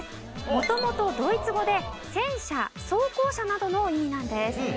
元々ドイツ語で戦車装甲車などの意味なんです。